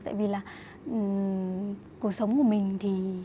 tại vì là cuộc sống của mình